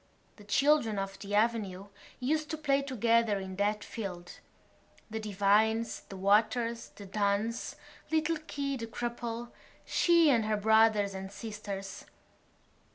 The children of the avenue used to play together in that field—the Devines, the Waters, the Dunns, little Keogh the cripple, she and her brothers and sisters.